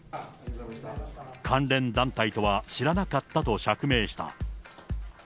関連団体とは知らなかったと釈明した。